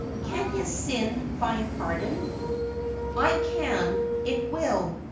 Can his sin find pardon 1 '' It can, it will.